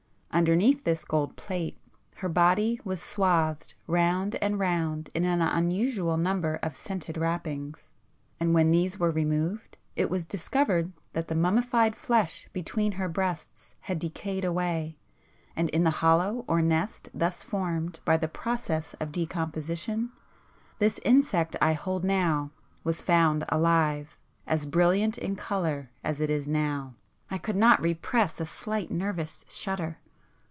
Underneath this gold plate, her body was swathed round and round in an unusual number of scented wrappings; and when these were removed it was discovered that the mummified flesh between her breasts had decayed away, and in the hollow or nest thus formed by the process of decomposition, this insect I hold was found alive, as brilliant in colour as it is now!" I could not repress a slight nervous shudder.